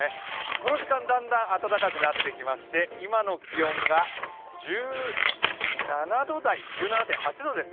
この時間、だんだん暖かくなってきまして今の気温が１７度台、１７．８度です。